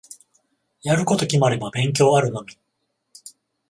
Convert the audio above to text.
やること決まれば勉強あるのみ。